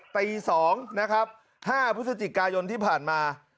ตี๒นะครับ๕พฤศจิกายนที่ผ่านมา